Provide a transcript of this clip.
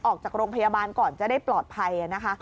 ออกจากโรงพยาบาลก่อนจะได้ปลอดภัยนะคะ